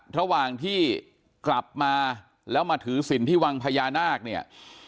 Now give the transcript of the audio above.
ระหว่างที่กลับมาแล้วมาถือศิลป์ที่วังพญานาคเนี่ย